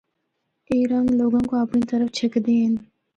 اے رنگ لوگاں کو اپنڑی طرف چِکھدے ہن۔